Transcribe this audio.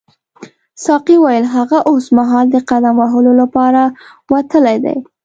ساقي وویل هغه اوسمهال د قدم وهلو لپاره وتلی دی.